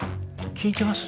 聞いてます？